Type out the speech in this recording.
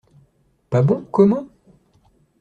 Pas bon, comment?